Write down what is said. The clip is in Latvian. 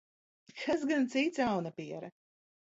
Kas gan cits, aunapiere?